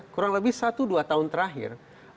kurang lebih satu dua tahun terakhir